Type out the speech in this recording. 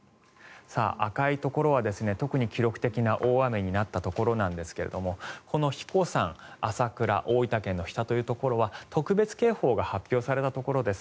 赤いところは特に記録的な大雨になったところなんですが英彦山、朝倉大分県の日田というところでは特別警報が発表されたところです。